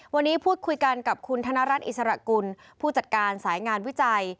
วันนี้พูดคุยกันกับคุณธนรัฐอิสระกุลผู้จัดการสายงานวิจัย